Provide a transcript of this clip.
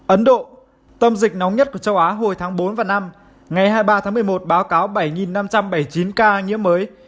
ấn độ tâm dịch nóng nhất của châu á hồi tháng bốn và năm ngày hai mươi ba tháng một mươi một báo cáo bảy năm trăm bảy mươi chín ca nhiễm mới